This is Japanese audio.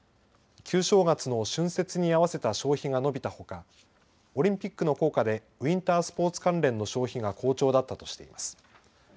旧正月の春節に合わせた消費が伸びたほかオリンピックの効果でウインタースポーツ関連の消費が好調だったとしています。